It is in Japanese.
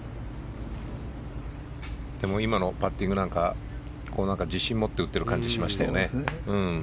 今のパッティングなんか自信を持って打っている感じがしましたよね。